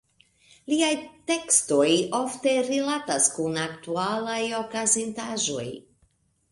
Liaj tekstoj ofte rilatas kun aktualaj okazintaĵoj.